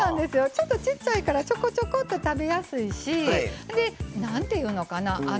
ちょっとちっちゃいからちょこちょこっと食べやすいしなんていうのかな